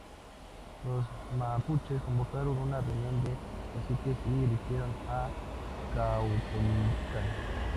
Los mapuches convocaron una reunión de caciques y eligieron a Caupolicán.